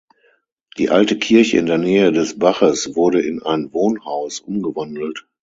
Die alte Kirche in der Nähe des Baches wurde in ein Wohnhaus umgewandelt.